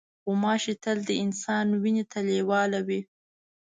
غوماشې تل د انسان وینې ته لیواله وي.